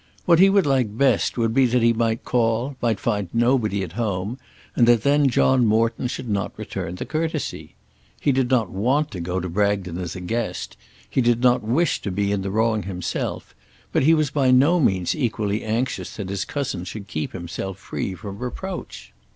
What he would like best would be that he might call, might find nobody at home, and that then John Morton should not return the courtesy. He did not want to go to Bragton as a guest; he did not wish to be in the wrong himself; but he was by no means equally anxious that his cousin should keep himself free from reproach.